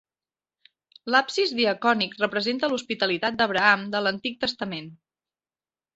L'absis diacònic representa l'Hospitalitat d'Abraham de l'antic Testament.